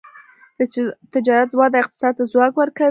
د تجارت وده اقتصاد ته ځواک ورکوي.